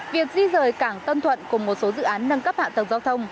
việc di rời cảng tân thuận cùng một số dự án nâng cấp hạ tầng giao thông